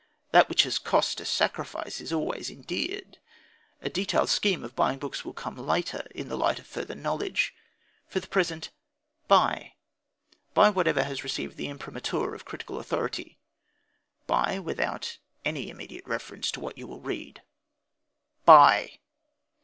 That which has cost a sacrifice is always endeared. A detailed scheme of buying books will come later, in the light of further knowledge. For the present, buy buy whatever has received the imprimatur of critical authority. Buy without any immediate reference to what you will read. Buy!